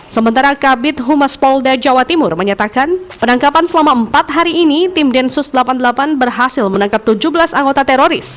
sementara kabit humas polda jawa timur menyatakan penangkapan selama empat hari ini tim densus delapan puluh delapan berhasil menangkap tujuh belas anggota teroris